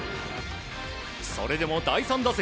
それでも第３打席。